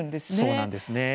そうなんです。